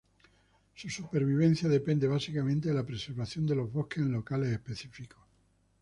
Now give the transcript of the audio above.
Su supervivencia depende básicamente de la preservación de los bosques en locales específicos.